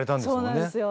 そうなんですよ。